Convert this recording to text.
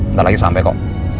ntar lagi sampe kok